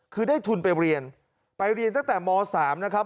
คือได้ทุนไปเรียนไปเรียนตั้งแต่ม๓นะครับ